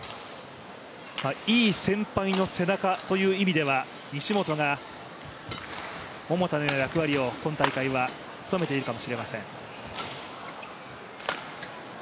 いい先輩の背中という意味では西本が桃田の役割を今大会は務めているかもしれません。